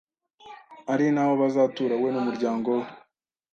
ari naho bazatura we numuryango we